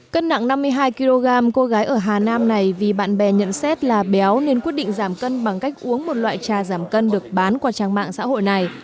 cân nặng năm mươi hai kg cô gái ở hà nam này vì bạn bè nhận xét là béo nên quyết định giảm cân bằng cách uống một loại trà giảm cân được bán qua trang mạng xã hội này